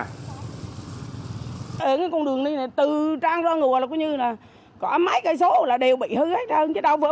trong con đường này từ trang ra ngoài là có mấy km là đều bị hư hết chứ đâu